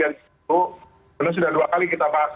benar benar sudah dua kali kita bahas